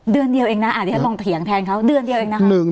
เดือนเดียวเองนะเดี๋ยวฉันลองเถียงแทนเขาเดือนเดียวเองนะคะ